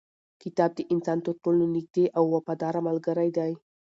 کتاب د انسان تر ټولو نږدې او وفاداره ملګری دی.